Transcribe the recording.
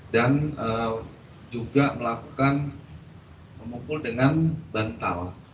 dan juga melakukan memukul dengan bantal